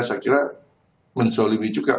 saya kira menzolimi juga